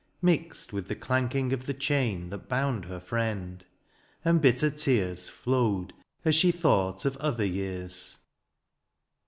Mixed with the clanking of the chain That bound her friend : and bitter tears Flowed as she thought of other years.